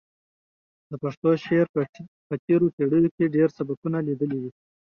د پښتو شعر په تېرو پېړیو کې ډېر سبکونه لیدلي دي.